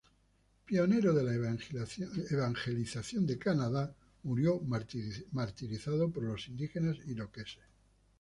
Pionero de la evangelización de Canadá, murió martirizado por los indígenas iroqueses.